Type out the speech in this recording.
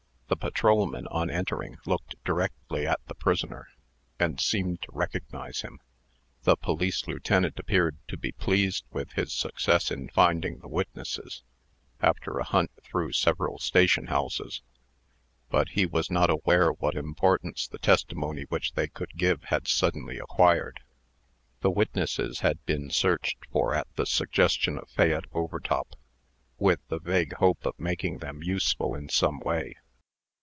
The patrolmen, on entering, looked directly at the prisoner, and seemed to recognize him. The police lieutenant appeared to be pleased with his success in finding the witnesses, after a hunt through several station houses; but he was not aware what importance the testimony which they could give had suddenly acquired. The witnesses had been searched for at the suggestion of Fayette Overtop, with the vague hope of making them useful in some way.